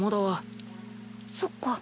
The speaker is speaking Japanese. そっか。